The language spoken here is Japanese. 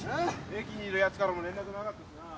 駅にいるやつからも連絡なかったしな。